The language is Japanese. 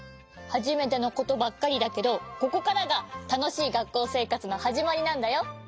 はじめてのことばっかりだけどここからがたのしいがっこうせいかつのはじまりなんだよ。